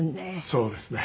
そうですね。